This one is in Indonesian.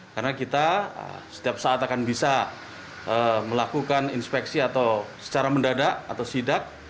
karena kita setiap saat akan bisa melakukan inspeksi atau secara mendadak atau sidak